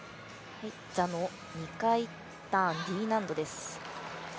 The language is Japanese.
座の２回ターンＤ難度です。